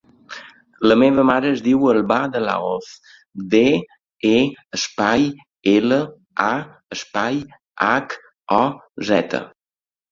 La meva mare es diu Albà De La Hoz: de, e, espai, ela, a, espai, hac, o, zeta.